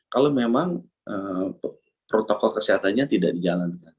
kalau memang protokol kesehatannya tidak dijalankan